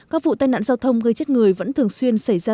các vụ tai nạn giao thông gây chết người vẫn thường xuyên xảy ra